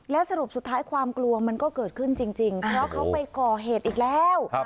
แล้วสรุปสุดท้ายความกลัวมันก็เกิดขึ้นจริงเพราะเขาไปก่อเหตุอีกแล้ว